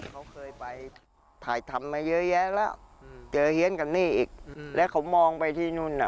เขาเคยไปถ่ายทำมาเยอะแยะแล้วเจอเฮียนกันนี่อีกแล้วเขามองไปที่นู่นน่ะ